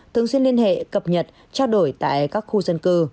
thường xuyên liên hệ cập nhật trao đổi tại các khu dân cư